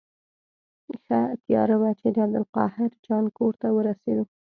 ښه تیاره وه چې د عبدالقاهر جان کور ته ورسېدو.